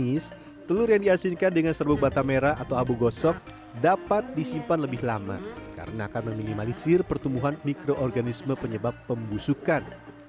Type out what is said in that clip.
nah selain menghilangkan bau amis telur yang diasinkan dengan serbuk batam merah atau abu gosok dapat disimpan lebih lama karena akan meminimalisir pertumbuhan mikroorganisme penyebab pembusukan